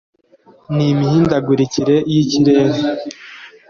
N’imihindagukirikire y’ikirere